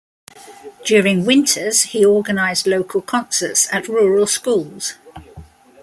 During winters, he organized local concerts at rural schools.